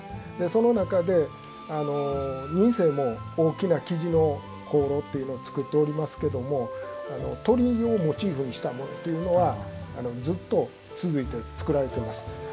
その中で、仁清も大きなきじの香炉というのを作っておりますけれども鳥をモチーフにしたものというのはずっと続いて作られています。